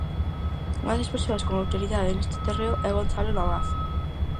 Unha das persoas con autoridade neste terreo é Gonzalo navaza.